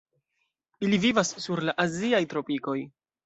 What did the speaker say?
Ili vivas sur la aziaj tropikoj.